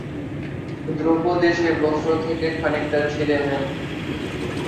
দ্রৌপদী সেই বস্ত্র থেকে খানিকটা ছিঁড়ে নেন।